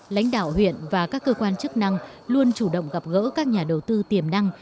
lãnh đạo huyện và các cơ quan chức năng luôn chủ động gặp gỡ các nhà đầu tư tiềm năng